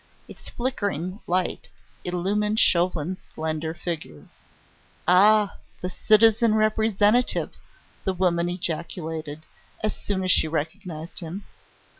Its flickering light illumined Chauvelin's slender figure. "Ah! the citizen Representative!" the woman ejaculated, as soon as she recognised him.